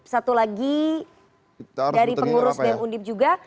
satu lagi dari pengurus bem undip juga